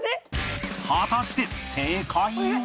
果たして正解は